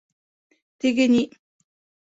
Теге ни...